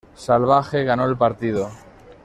Salvaje ganó el partido.